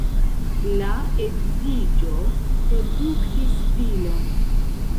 La edziĝo produktis filon.